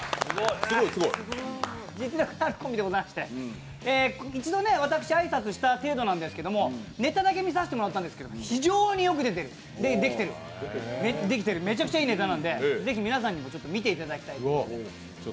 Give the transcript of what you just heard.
実力のあるコンビでございまして１度、挨拶した程度なんですけどネタだけ見せてもらったんですけど非常によくできてる、めちゃくちゃいいネタなんでぜひ皆さんにも見ていただきたいと思って。